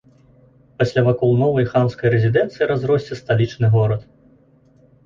Пасля вакол новай ханскай рэзідэнцыі разросся сталічны горад.